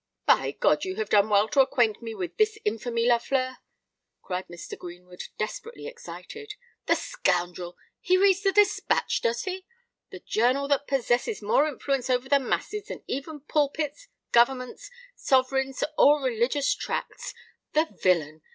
"By God, you have done well to acquaint me with this infamy, Lafleur!" cried Mr. Greenwood, desperately excited. "The scoundrel! he reads the Dispatch, does he?—the journal that possesses more influence over the masses than even pulpits, governments, sovereigns, or religious tracts! The villain!